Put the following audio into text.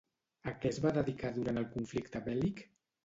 A què es va dedicar durant el conflicte bèl·lic?